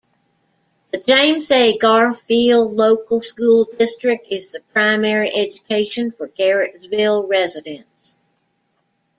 The James A. Garfield Local School District is the primary education for Garrettsville residents.